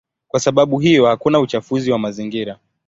Kwa sababu hiyo hakuna uchafuzi wa mazingira.